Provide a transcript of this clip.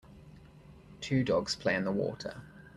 Two dogs play in the water.